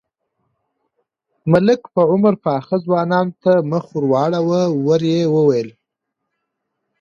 ملک په عمر پاخه ځوان ته مخ ور واړاوه، ورو يې وويل: